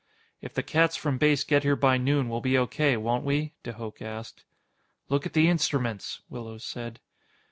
"If the cats from Base get here by noon, we'll be O.K., won't we?" de Hooch asked. "Look at the instruments," Willows said.